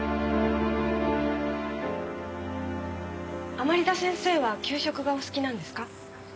甘利田先生は給食がお好きなんですか？